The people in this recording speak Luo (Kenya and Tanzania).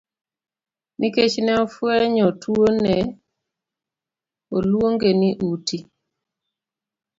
Nikech ne ofweny tuwono ne oluonge ni uti.